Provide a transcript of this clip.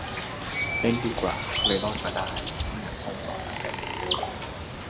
เล่นดีกว่า เลยรอดมาได้ ไม่งั้นคงจอดตั้งแต่เลเวล